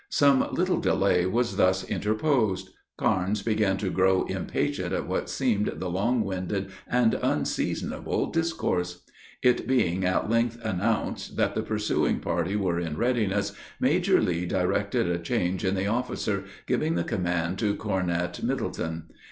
Some little delay was thus interposed. Carnes began to grow impatient at what seemed the long winded and unseasonable discourse. It being, at length announced, that the pursuing party were in readiness, Major Lee directed a change in the officer, giving the command to Cornet Middleton.